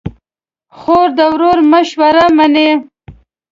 خور د ورور مشوره منې.